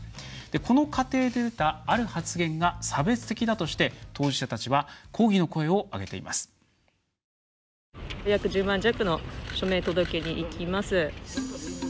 この過程で出た、ある発言が差別的だとして当事者たちは抗議の声を上げています。